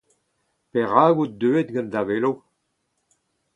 Perak out deuet gant da velo ?